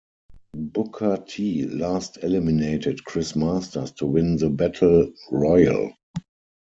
Booker T last eliminated Chris Masters to win the Battle Royal.